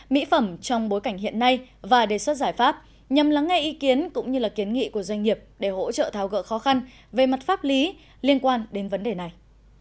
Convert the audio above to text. mỹ phẩm trong bối cảnh hiện nay và đề xuất giải pháp nhằm lắng nghe ý kiến cũng như kiến nghị của doanh nghiệp để hỗ trợ tháo gỡ khó khăn về mặt pháp lý liên quan đến vấn đề này